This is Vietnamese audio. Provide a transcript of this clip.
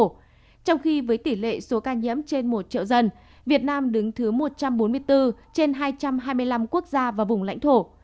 trong khi với tỷ lệ số ca nhiễm trên một triệu dân việt nam đứng thứ một trăm bốn mươi bốn trên hai trăm hai mươi năm quốc gia và vùng lãnh thổ